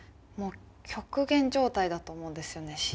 もう極限状態だと思うんですよね